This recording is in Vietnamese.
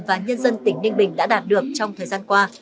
và nhân dân tỉnh ninh bình đã đạt được trong thời gian qua